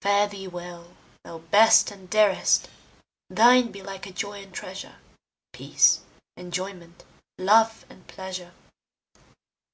Fare thee well, thou best and dearest! Thine be like a joy and treasure, Peace. enjoyment, love, and pleasure!